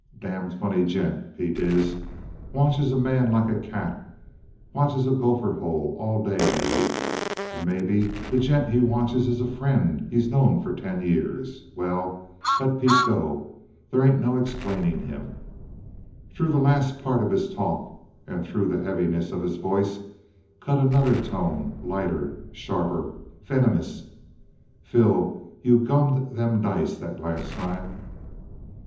"Damned funny gent, Pete is. Watches a man like a cat; watches a gopher hole all day, maybe. And maybe the gent he watches is a friend he's known for ten years. Well let Pete go. They ain't no explaining him." Through the last part of his talk, and through the heaviness of his voice, cut another tone, lighter, sharper, venomous: "Phil, you gummed them dice that last time!"